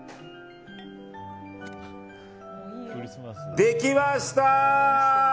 できました！